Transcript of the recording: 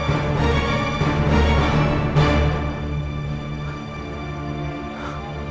ambillah semua untukmu